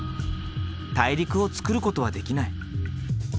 大陸をつくることはできない。